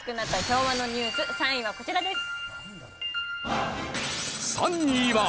昭和のニュース３位はこちらです。